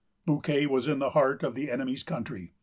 Bouquet was in the heart of the enemy's country.